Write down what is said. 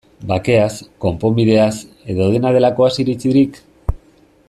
Bakeaz, konponbideaz, edo dena delakoaz iritzirik?